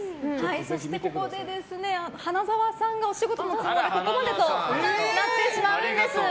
ここで、花澤さんがお仕事の都合でここまでとなってしまうんです。